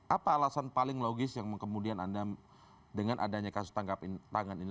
apa alasan paling logis yang kemudian anda dengan adanya kasus tangkap tangan ini